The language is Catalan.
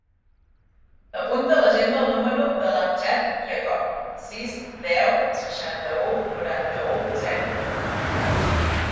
Apunta a l'agenda el número de l'Amjad Iacob: sis, deu, seixanta-u, noranta-u, zero, dos.